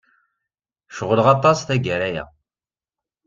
Ceɣleɣ aṭas tagara-a.